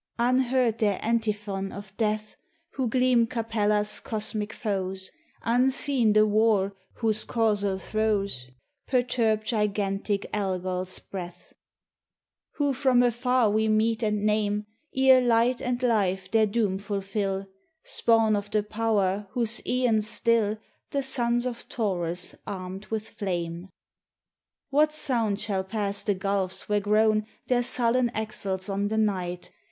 Unheard their antiphon of death Who gleam Capella's cosmic foes; Unseen the war whose causal throes Perturb gigantic Algol's breath Whom from afar we mete and name Ere Light and Life their doom fulfill, Spawn of the Power whose aeons still The suns of Taurus armed with flame. 53 THE TESTIMONY OF THE SUNS. What sound shall pass the gulfs where groan Their sullen axles on the night?